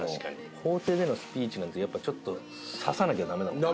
法廷でのスピーチなんてやっぱちょっと刺さなきゃダメだもんね。